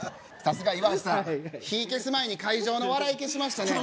さすが岩橋さん火消す前に会場の笑い消しましたね